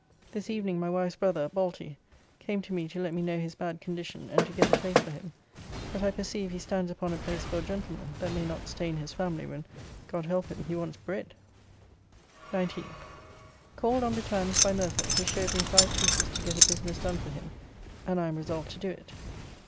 This evening my wife's brother, Balty, came to me to let me know his bad condition and to get a place for him, but I perceive he stands upon a place for a gentleman, that may not stain his family when, God help him, he wants bread. 19th. Called on betimes by Murford, who showed me five pieces to get a business done for him and I am resolved to do it.